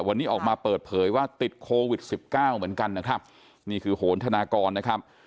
วันนี้ออกมาเปิดเผยว่าติดโควิดสิบเก้าเหมือนกันนะครับนี่คือโหนธนากรนะครับ